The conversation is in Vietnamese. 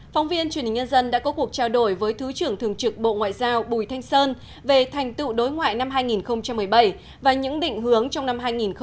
phóng viên truyền hình nhân dân đã có cuộc trao đổi với thứ trưởng thường trực bộ ngoại giao bùi thanh sơn về thành tựu đối ngoại năm hai nghìn một mươi bảy và những định hướng trong năm hai nghìn một mươi chín